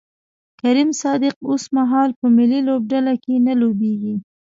کریم صادق اوسمهال په ملي لوبډله کې نه لوبیږي